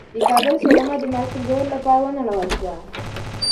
د کابل سینما د مارکېټ جوړولو لپاره ونړول شوه.